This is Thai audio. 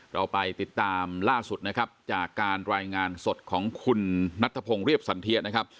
เราไปติดตามล่าสุดนะครับจากการรายงานสดของคุณนัทธพงศ์เรียบสันเทียนะครับ